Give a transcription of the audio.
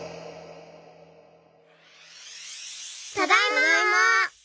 ただいま！